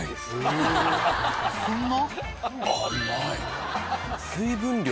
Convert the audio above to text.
そんな？